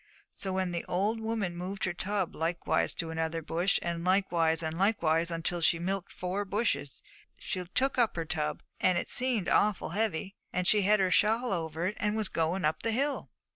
And then the old woman moved her tub likewise to another bush, and likewise, and likewise, until she had milked four bushes, and she took up her tub, and it seemed awful heavy, and she had her shawl over it, and was going up the hill.